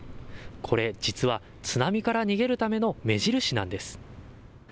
これ、実は津波から逃げるための目印なんです。